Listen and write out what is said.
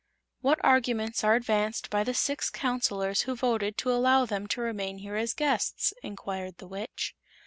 "What arguments are advanced by the six Counselors who voted to allow them to remain here as guests?" inquired the Witch.